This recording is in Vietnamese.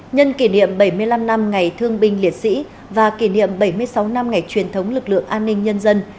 nhân kỷ niệm bảy mươi năm năm ngày thương binh liệt sĩ và kỷ niệm bảy mươi sáu năm ngày truyền thống lực lượng an ninh nhân dân